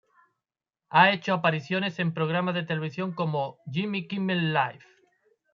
Ha hecho apariciones en programas de televisión como "Jimmy Kimmel Live!